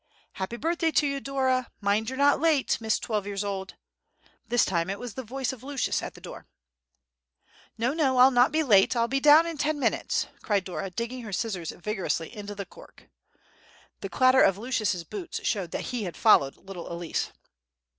"Happy birthday to you, Dora! Mind you're not late, Miss Twelve years old!" This time it was the voice of Lucius at the door. "No, no, I'll not be late; I'll be down in ten minutes!" cried Dora, digging her scissors vigorously into the cork. The clatter of Lucius's boots showed that he had followed little Elsie.